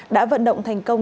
đã vận động thành công